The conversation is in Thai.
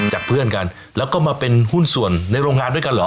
จากเพื่อนกันแล้วก็มาเป็นหุ้นส่วนในโรงงานด้วยกันเหรอ